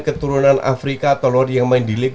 keturunan afrika atau luar yang main di league